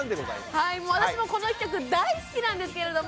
はい私もこの企画大好きなんですけれども。